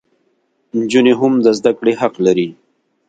انجونې هم د زدکړي حق لري